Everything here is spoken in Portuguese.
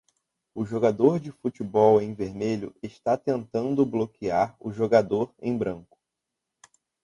O jogador de futebol em vermelho está tentando bloquear o jogador em branco.